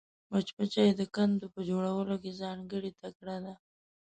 مچمچۍ د کندو په جوړولو کې ځانګړې تکړه ده